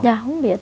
dạ không biết